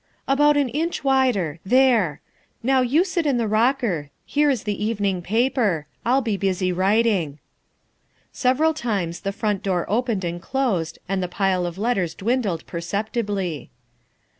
"About an inch wider there. Now, you sit in the rocker, here is the evening paper. I '11 be busy writing. '' Several times the front door opened and closed and the pile of letters dwindled perceptibly.